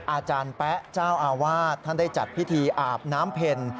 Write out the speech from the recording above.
อาจารย์แป๊ะเจ้าอาวาสท่านได้จัดพิธีอาบน้ำเพ็ญ